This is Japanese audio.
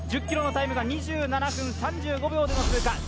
１０ｋｍのタイムが２７分３５秒での通過。